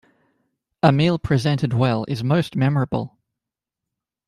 A meal presented well is most memorable.